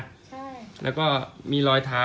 กลับมาร้อยเท้า